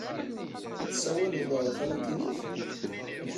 Tessawaleḍ talatinit?